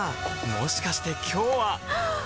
もしかして今日ははっ！